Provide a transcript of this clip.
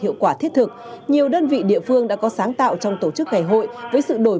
hiệu quả thiết thực nhiều đơn vị địa phương đã có sáng tạo trong tổ chức ngày hội với sự đổi